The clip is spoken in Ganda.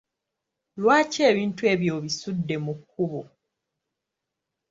Lwaki ebintu ebyo obisudde mu kkubo?